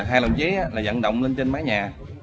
hai đồng chí dẫn động lên trên mái nhà